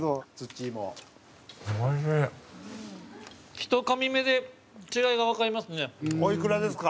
ひと噛み目で違いがわかりますね。